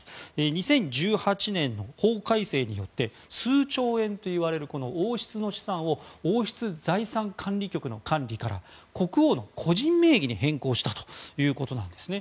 ２０１８年の法改正によって数兆円といわれる王室の資産を王室財産管理局の管理から国王の個人名義に変更したということなんですね。